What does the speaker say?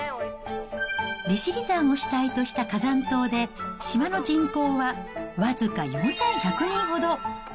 利尻山を主体とした火山島で、島の人口はわずか４１００人ほど。